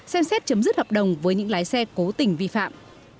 xem xét chấm dứt hợp đồng với những lái xe cố tình vi phạm